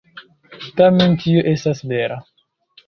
Tamen tio estas vera.